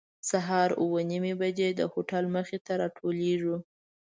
سهار اوه نیمې بجې د هوټل مخې ته راټولېږو.